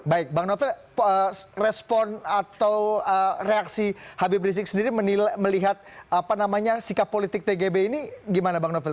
baik bang novel respon atau reaksi habib rizik sendiri melihat sikap politik tgb ini gimana bang novel